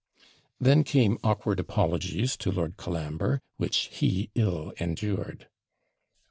Then came awkward apologies to Lord Colambre, which he ill endured.